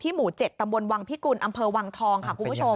หมู่๗ตำบลวังพิกุลอำเภอวังทองค่ะคุณผู้ชม